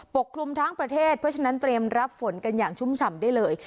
กคลุมทั้งประเทศเพราะฉะนั้นเตรียมรับฝนกันอย่างชุ่มฉ่ำได้เลย